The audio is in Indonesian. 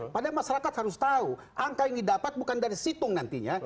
padahal masyarakat harus tahu angka yang didapat bukan dari situng nantinya